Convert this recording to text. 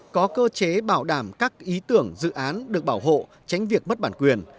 có cơ chế bảo đảm các ý tưởng dự án được bảo hộ tránh việc mất bản quyền